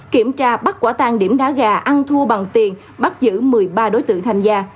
kiểm tra bắt quả tang điểm đá gà ăn thua bằng tiền bắt giữ một mươi ba đối tượng tham gia